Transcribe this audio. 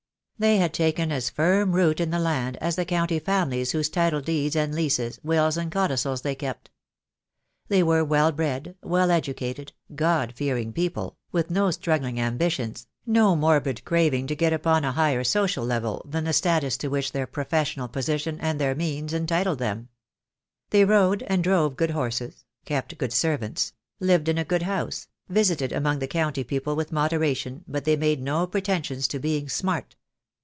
They had taken as firm root in the land as the county families whose title deeds and leases, wills and codicils they kept. They were well bred, well educated, God fearing people, with no struggling ambi THE DAY WILL COME. 23 tions, no morbid craving to get upon a higher social level than the status to which their professional position and their means entitled them. They rode and drove good horses, kept good servants, lived in a good house, visited among the county people with moderation, but they made no pretensions to being "smart."